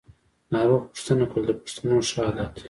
ناروغ پوښتنه کول د پښتنو ښه عادت دی.